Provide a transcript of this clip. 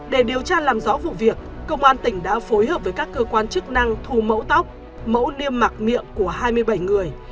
để điều tra làm rõ vụ việc công an tỉnh đã phối hợp với các cơ quan chức năng thu mẫu tóc mẫu niêm mạc miệng của hai mươi bảy người